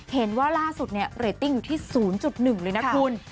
เห็นว่าล่าสุดเนี่ยเรตติ้งอยู่ที่๐๑เลยนะคุณ